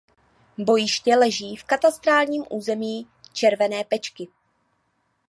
Bojiště leží v katastrálním území Červené Pečky.